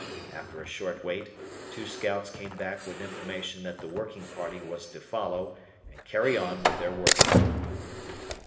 After a short wait, two scouts came back with information that the working party was to follow and "carry on" with their work.